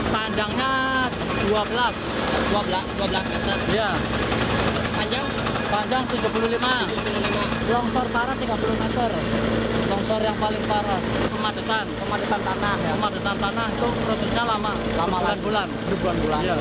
prosesnya lama berbulan bulan